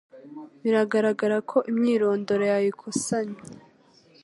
biragaragara ko imyirondoro yawe ikosamye